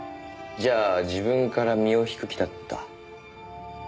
じゃあ自分から身を引く気だった。